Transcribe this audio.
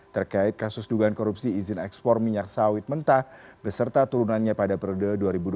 terkait kasus dugaan korupsi izin ekspor minyak sawit mentah beserta turunannya pada perede dua ribu dua puluh satu dua ribu dua puluh dua